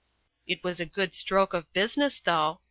" It was a good stroke of business, though